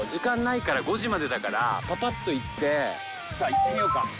行ってみようか。